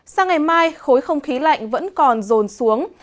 sang ngày mai khối không khí lạnh vẫn còn rồn xuống